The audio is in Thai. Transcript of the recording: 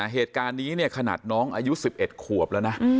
เหตุการณ์นี้เนี่ยขนาดน้องอายุ๑๑ขวบแล้วนะ